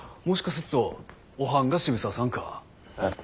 もしかすっとおはんが渋沢さんか？へ？